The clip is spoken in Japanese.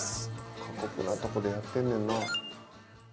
過酷なとこでやってんねんな。